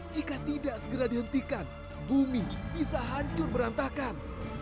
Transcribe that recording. jika tidak segera dihentikan bumi bisa hancur berantakan